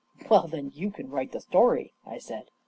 "Well, then you can write the story," I said.